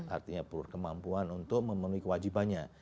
artinya berkemampuan untuk memenuhi kewajibannya